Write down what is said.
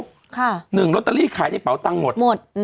ค่ะ๑รอตเตอรี่ขายในเป๋าตังหมด๒